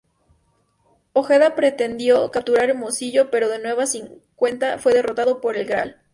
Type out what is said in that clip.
Ojeda pretendió capturar Hermosillo, pero de nueva cuenta fue derrotado por el Gral.